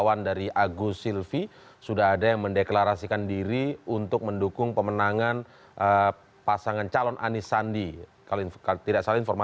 apakah kemudian komunikasinya